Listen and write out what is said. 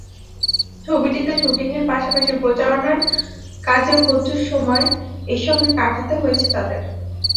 ছবিটিতে শুটিংয়ের পাশাপাশি প্রচারণার কাজেও প্রচুর সময় একসঙ্গে কাটাতে হয়েছে তাঁদের।